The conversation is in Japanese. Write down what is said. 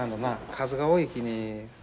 数が多いきに。